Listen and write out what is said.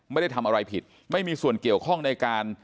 ไม่ได้ทำอะไรผิดไม่มีส่วนเกี่ยวข้องในการ